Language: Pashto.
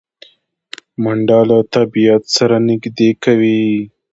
منډه له طبیعت سره نږدې کوي